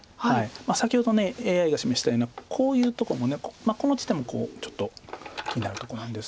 先ほどＡＩが示したようなこういうとこもこの地点もちょっと気になるとこなんです。